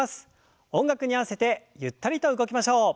音楽に合わせてゆったりと動きましょう。